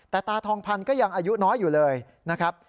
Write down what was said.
แต่ตาทองพันธ์ก็ยังอายุน้อยอยู่เลยนะครับ